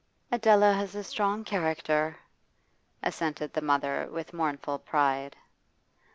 'Adela has a strong character,' assented the mother with mournful pride.